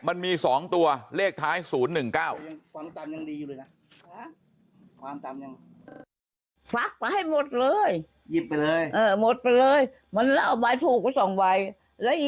มันมีสองตัวเลขท้ายศูนย์๑๐๑๙